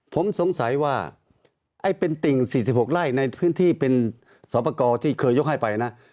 ผมสงสัยว่าไอ้เป็นติ่ง๔๖ไร่ในพื้นที่เป็นสอบประกอบที่เคยยกให้ไปนะ